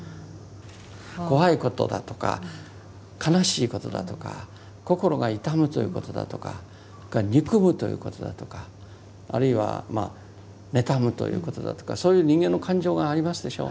怖いことだとか悲しいことだとか心が痛むということだとかそれから憎むということだとかあるいはまあ妬むということだとかそういう人間の感情がありますでしょう。